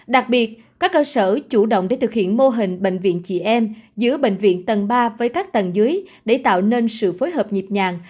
đặc biệt các cơ sở chủ động để thực hiện mô hình bệnh viện chị em giữa bệnh viện tầng ba với các tầng dưới để tạo nên sự phối hợp nhịp nhàng